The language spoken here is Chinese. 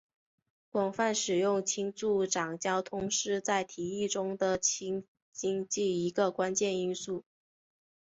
广泛使用氢助长交通是在提议中的氢经济的一个关键因素。